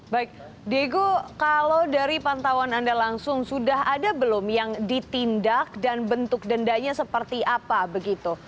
baik diego kalau dari pantauan anda langsung sudah ada belum yang ditindak dan bentuk dendanya seperti apa begitu